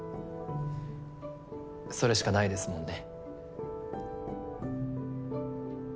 それしかないですもんね。